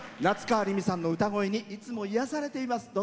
夏川りみさんの歌声にいつも癒やされています。